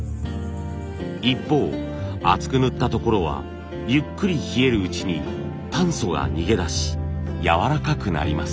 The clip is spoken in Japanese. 一方厚く塗ったところはゆっくり冷えるうちに炭素が逃げ出しやわらかくなります。